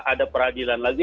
ada peradilan lagi